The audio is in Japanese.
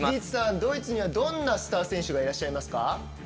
ドイツにはどんなスター選手がいらっしゃいますか。